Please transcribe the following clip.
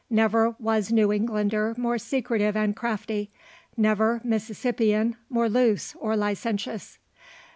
Never was New Englander more secretive and crafty; never Mississippian more loose, or licentious.